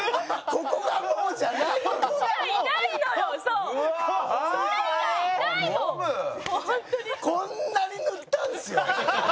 こんなに塗ったんですよ？